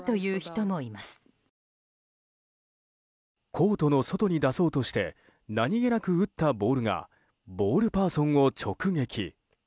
コートの外に出そうとして何気なく打ったボールがボールパーソンを直撃。